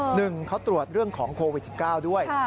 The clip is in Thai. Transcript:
หนึ่งเขาตรวจเรื่องของโควิด๑๙ด้วย